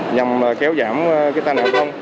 nhằm kéo giảm tàn hạc không